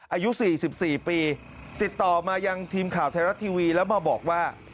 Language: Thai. อายุ๔๔ปีติดต่อมายังทีมข่าวไทยรัฐทีวีแล้วมาบอกว่า